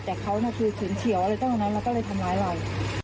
แต่เขาคือฉุนเฉียวอะไรตั้งตรงนั้นเราก็เลยทำร้ายเรา